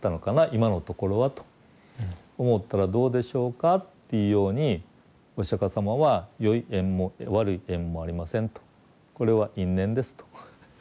今のところはと思ったらどうでしょうかっていうようにお釈迦様は良い縁も悪い縁もありませんとこれは因縁ですと。